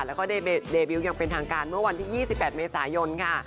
แล้วก็เดบิลยังเป็นทางการเมื่อวันที่๒๘เมษายนค่ะ